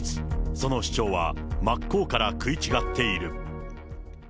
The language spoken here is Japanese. その主張は真っ向から食い違っている。